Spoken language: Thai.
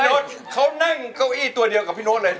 พี่โน้ทเขานั่งเก้าอี้ตัวเดียวกับพี่โน้ทเลยนะ